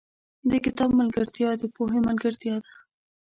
• د کتاب ملګرتیا، د پوهې ملګرتیا ده.